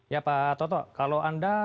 ya pak toto kalau anda